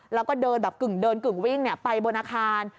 แล้วก็เดินแบบกึ่งเดินกึ่งวิ่งไปบนอาคาร